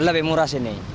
lebih murah sih ini